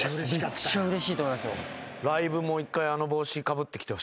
めっちゃうれしいと思いますよ。